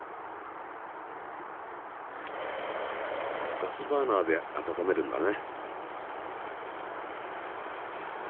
ガスバーナーで温めるんだね。